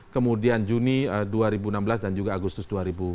kemudian juni dua ribu enam belas dan juga agustus dua ribu dua puluh